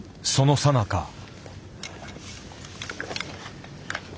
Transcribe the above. そのさなか。